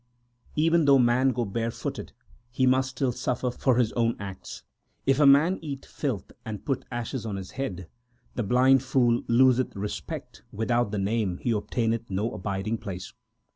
Even though man go barefooted, he must still suffer for his own acts. 2 If a man eat filth, and put ashes on his head, The blind fool loseth respect ; without the Name he obtaineth no abiding place.